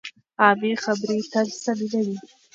عامې خبرې تل سمې نه وي.